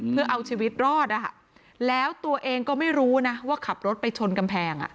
เพื่อเอาชีวิตรอดแล้วตัวเองก็ไม่รู้นะว่าขับรถไปชนกำแพง